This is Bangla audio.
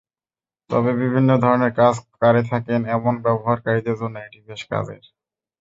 তবে বিভিন্ন ধরনের কাজ কারে থাকেন, এমন ব্যবহারকারীদের জন্য এটি বেশ কাজের।